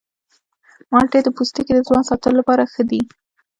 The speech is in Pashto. مالټې د پوستکي د ځوان ساتلو لپاره ښه دي.